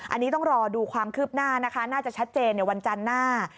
อันนี้ต้องรอดูความคืบหน้านะคะน่าจะชัดเจนในวันจันทร์หน้า